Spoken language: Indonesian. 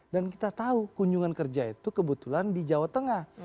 dan kita tahu kunjungan kerja itu kebetulan di jawa tengah